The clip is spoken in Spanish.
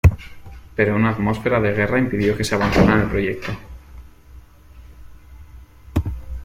Pero una atmósfera de guerra impidió que se avanzara en el proyecto.